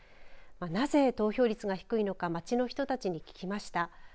なぜ投票率が低いのか街の人たちに聞きました。